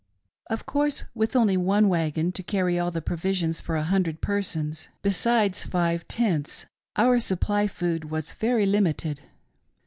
" Of course, with only one wagon to carry all the provision* for a hundred persons, besides five tents, our suppiy of food was very limited.